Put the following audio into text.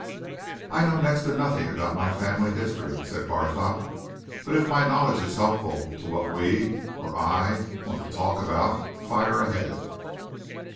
"I know next to nothing about my family history," said Barthorpe; "but if my knowledge is helpful to what we or I want to talk about, fire ahead!"